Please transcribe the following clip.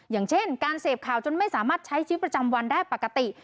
อย่างเช่นการเสพข่าวจนไม่สามารถใช้ชีวิตประจำวันได้ปกติ